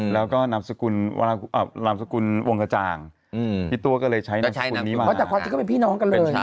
แล้วก็นามสกุลวงกระจ่าง